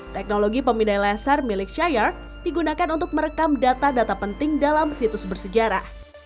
teknologi pemindai laser milik chiard digunakan untuk merekam data data penting dalam situs bersejarah